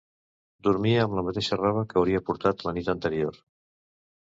Dormia amb la mateixa roba que hauria portat la nit anterior.